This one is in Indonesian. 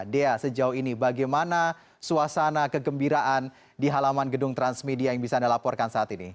dea sejauh ini bagaimana suasana kegembiraan di halaman gedung transmedia yang bisa anda laporkan saat ini